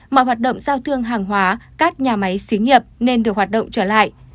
mọi hoạt động giao thương hàng hóa các nhà máy xí nghiệp nên được hoạt động trở lại